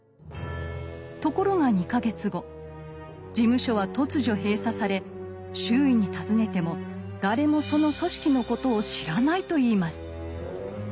ところが２か月後事務所は突如閉鎖され周囲に尋ねても誰もその組織のことを知らないといいます。